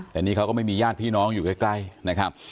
แต่นี่เขาก็ไม่มีญาติพี่น้องอยู่ใกล้นะครับ